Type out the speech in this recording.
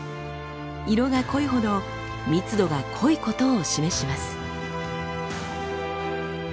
色が濃いほど密度が濃いことを示します。